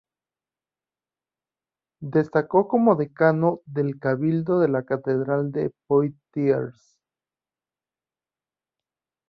Destacó como decano del cabildo de la catedral de Poitiers.